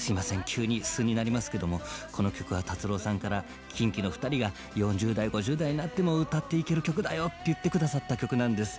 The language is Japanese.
急に素になりますけどもこの曲は達郎さんから「ＫｉｎＫｉの２人が４０代５０代になっても歌っていける曲だよ」って言ってくださった曲なんです。